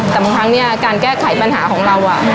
แต่บางครั้งเนี่ยการแก้ไขปัญหาของเรา